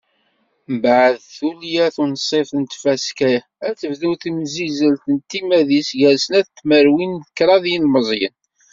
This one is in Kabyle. Mbeɛd tulya tunṣibt n tfaska-a, ad tebdu temsizzelt s timmad-is, gar snat tmerwin d kraḍ n yilmeẓyen.